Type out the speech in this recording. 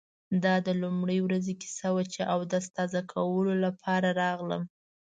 دا د لومړۍ ورځې کیسه وه چې اودس تازه کولو لپاره راغلم.